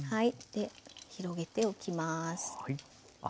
広げておきます。